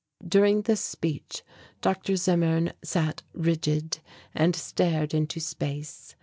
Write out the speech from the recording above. During this speech, Dr. Zimmern sat rigid and stared into space.